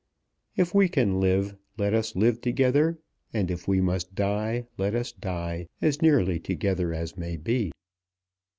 If we can live, let us live together; and if we must die, let us die, as nearly together as may be.